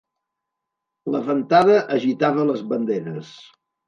La ventada agitava les banderes.